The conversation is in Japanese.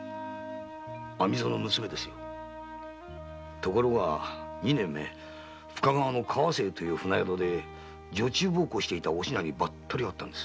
ところが二年前深川の「川清かわせい」という船宿で女中奉公していたお品にばったり会ったんです。